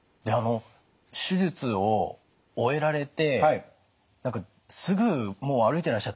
手術を終えられてすぐもう歩いてらっしゃったんですって？